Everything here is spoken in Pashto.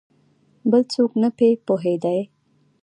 بل څوک نه په پوهېدی !